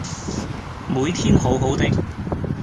每天好好的